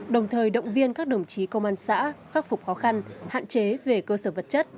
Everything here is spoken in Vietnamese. đồng thời động viên các đồng chí công an xã khắc phục khó khăn hạn chế về cơ sở vật chất